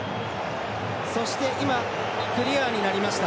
そして、クリアになりました。